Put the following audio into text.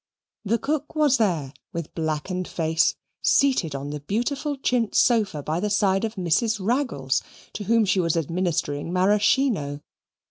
The cook was there with blackened face, seated on the beautiful chintz sofa by the side of Mrs. Raggles, to whom she was administering Maraschino.